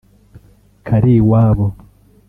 Kariwabo